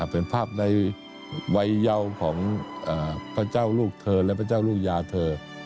เป็นภาพในวัยเยาของพระเจ้าลูกเธอและพระเจ้าลูกยาเธอ